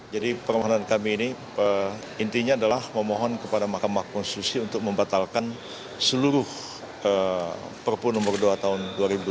jadi permohonan kami ini intinya adalah memohon kepada mahkamah konstitusi untuk membatalkan seluruh perput nomor dua tahun dua ribu tujuh belas